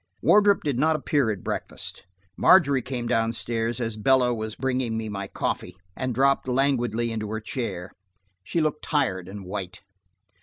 Wardrop did not appear at breakfast. Margery came down stairs as Bella was bringing me my coffee, and dropped languidly into her chair. She looked tired and white.